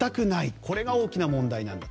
これが大きな問題なんだと。